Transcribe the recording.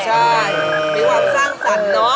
ใช่มีความสร้างสรรค์เนอะ